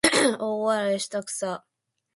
大笑いしたくさ